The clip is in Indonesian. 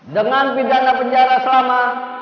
dengan pidana penjara selama